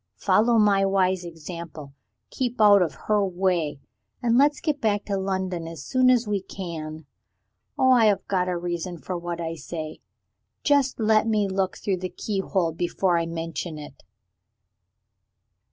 Follow my wise example; keep out of her way and let's get back to London as soon as we can. Oh, I have got a reason for what I say. Just let me look through the keyhole before I mention it.